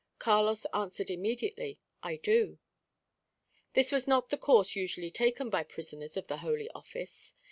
Carlos answered immediately, "I do." This was not the course usually taken by prisoners of the Holy Office.